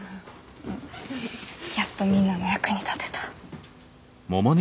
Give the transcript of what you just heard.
やっとみんなの役に立てた。